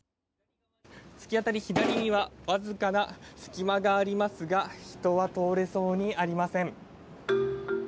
突き当たり左にはわずかな隙間がありますが人は通れそうにありません。